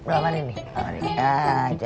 belakang hari ini